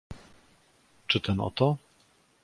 "Czy ten oto?"